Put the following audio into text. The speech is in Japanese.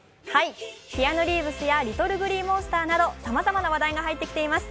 キアヌ・リーブスやＬｉｔｔｌｅＧｌｅｅＭｏｎｓｔｅｒなどさまざまな話題が入ってきています。